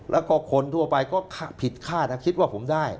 แล้วก็คนทั่วไปก็ผิดคาดนะคิดว่าผมได้